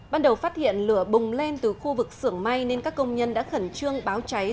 ban đầu phát hiện lửa bùng lên từ khu vực xưởng may nên các công nhân đã khẩn trương báo cháy